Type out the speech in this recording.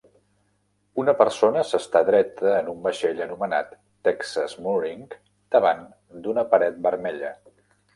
Una persona s'està dreta en un vaixell anomenat "Texas Mooring" davant d'una paret vermella.